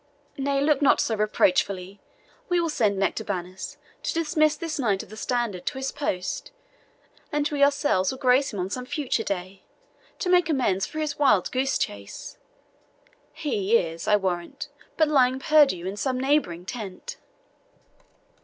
Nay, look not so reproachfully. We will send Nectabanus to dismiss this Knight of the Standard to his post; and we ourselves will grace him on some future day, to make amends for his wild goose chase. He is, I warrant, but lying perdu in some neighbouring tent."